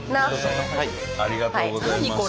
ありがとうございます。